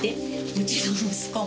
うちの息子がさ